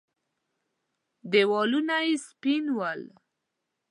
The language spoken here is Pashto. دېوالونه يې سپين ول.